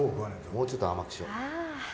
もうちょっと甘くしよう。